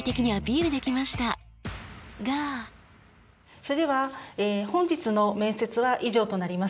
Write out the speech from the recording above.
それでは本日の面接は以上となります。